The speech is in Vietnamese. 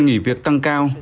nghỉ việc tăng cao